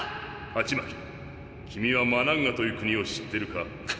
ハチマキ君はマナンガという国を知ってるか？